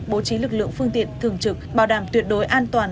bố trí lực lượng phương tiện thường trực bảo đảm tuyệt đối an toàn